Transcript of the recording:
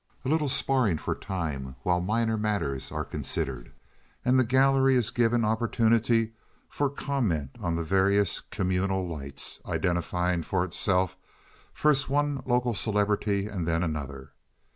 A little sparring for time while minor matters are considered, and the gallery is given opportunity for comment on the various communal lights, identifying for itself first one local celebrity and then another.